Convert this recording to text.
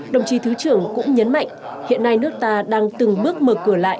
đồng chí thứ trưởng cũng nhấn mạnh hiện nay nước ta đang từng bước mở cửa lại